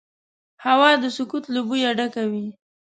هوا د سکوت له بوی ډکه وي